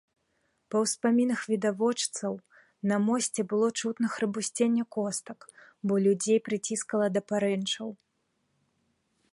Па ўспамінах відавочцаў, на мосце было чутно храбусценне костак, бо людзей прыціскала да парэнчаў.